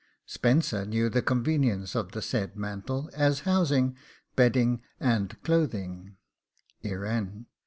Spenser knew the convenience of the said mantle, as housing, bedding, and clothing: 'IREN.